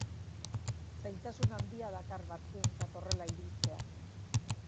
Zailtasun handia dakar batzuentzat horrela ibiltzeak.